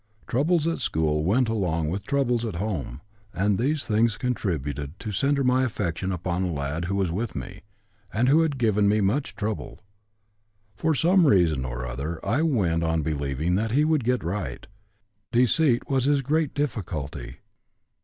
Troubles at school went along with troubles at home, and these things contributed to center my affection upon a lad who was with me, and who had given me much trouble. For some reason or other I went on believing that he would get right. Deceit was his great difficulty.